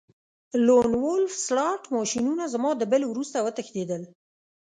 لون وولف سلاټ ماشینونه زما د بل وروسته وتښتیدل